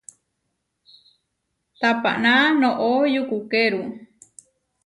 Tapaná noʼó yukukeru.